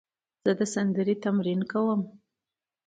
زه د سندرې تمرین کوم.